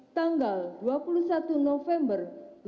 tanggal dua puluh satu november dua ribu enam belas